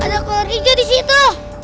ada kolor hijau disitu